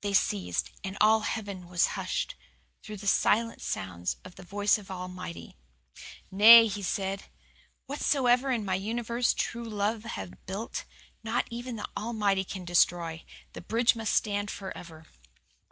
"They ceased and all heaven was hushed. Through the silence sounded the voice of the Almighty. "'Nay,' He said, 'whatsoever in my universe true love hath builded not even the Almighty can destroy. The bridge must stand forever.